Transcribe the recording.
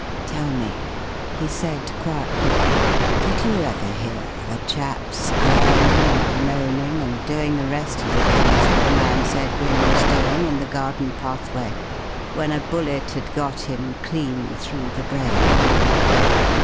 "Tell me," he said, quietly, "did you ever hear of a chap squirming and moaning and doing the rest of the things that the man said Wynne was doing in the garden pathway, when a bullet had got him clean through the brain?